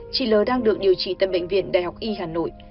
chỉ lờ đang được điều trị tại bệnh viện đại học y hà nội